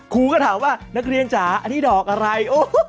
ครูก็ถามว่านักเรียนจ๋าอันนี้ดอกอะไร